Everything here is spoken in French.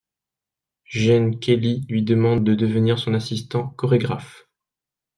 Gene Kelly lui demande de devenir son assistant chorégraphe.